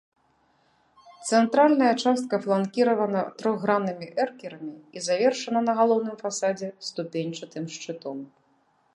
Цэнтральная частка фланкіравана трохграннымі эркерамі і завершана на галоўным фасадзе ступеньчатым шчытом.